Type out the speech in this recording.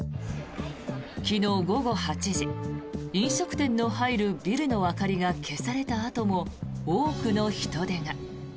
昨日午後８時飲食店の入るビルの明かりが消されたあとも多くの人出が。